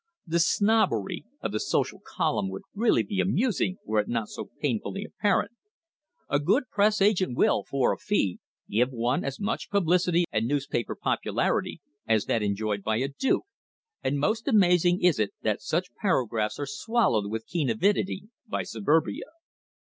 The snobbery of the "social column" would really be amusing were it not so painfully apparent. A good press agent will, for a fee, give one as much publicity and newspaper popularity as that enjoyed by a duke, and most amazing is it that such paragraphs are swallowed with keen avidity by Suburbia.